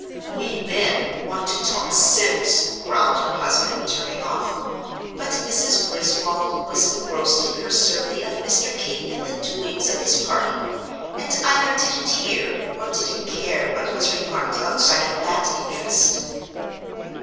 "We men want to talk sense," growled her husband, turning off. But Mrs. Griswold was engrossed in her survey of Mr. King and the doings of his party, and either didn't hear or didn't care what was remarked outside of that interest.